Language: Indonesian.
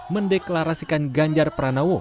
mendeklarasikan ganjar pranowo